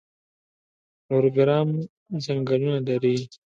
نورګرام ځنګلونه لري؟